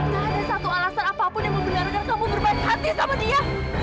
gak ada satu alasan apapun yang membenarkan kamu berbad hati sama dia